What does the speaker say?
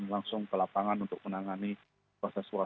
langsung ke lapangan untuk menangani arus balik